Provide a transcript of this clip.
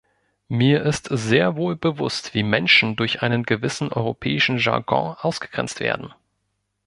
Mir ist sehr wohl bewusst, wie Menschen durch einen gewissen europäischen Jargon ausgegrenzt werden.